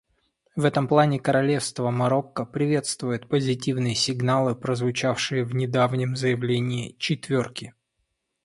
В этом плане Королевство Марокко приветствует позитивные сигналы, прозвучавшие в недавнем заявлении «четверки».